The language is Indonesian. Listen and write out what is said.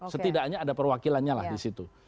setidaknya ada perwakilannya lah di situ